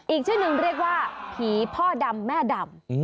อีกชื่อหนึ่งเรียกว่าผีพ่อดำแม่ดำ